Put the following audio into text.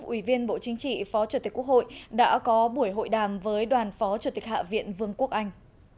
ủy viên bộ chính trị phó chủ tịch quốc hội đã có buổi hội đàm với đoàn phó chủ tịch hạ viện vương quốc anh